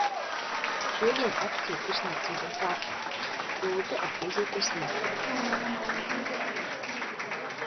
Šodien akciju tirdzniecība ir pārtraukta. Lūdzu, atgriezieties rīt.